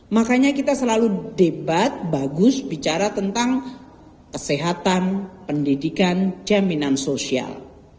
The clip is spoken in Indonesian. makanya kita selalu debat bagus bicara tentang kesehatan pendidikan jaminan sosial